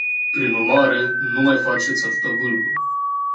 Prin urmare, nu mai faceți atâta vâlvă.